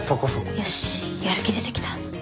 よしやる気出てきた。